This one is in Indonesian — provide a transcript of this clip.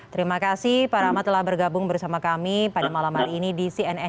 terima kasih pak rahmat telah bergabung bersama kami pada malam hari ini di cnn indonesia